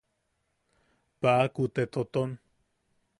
Paʼaku te toʼoton.